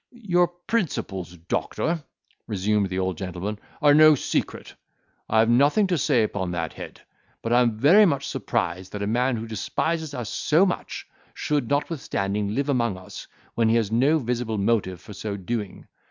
"Your principles, doctor," resumed the old gentleman, "are no secret—I have nothing to say upon that head; but am very much surprised, that a man who despises us so much, should notwithstanding live among us, when he has no visible motive for so doing.